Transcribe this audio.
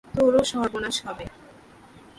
তোরও সর্বনাশ হবে।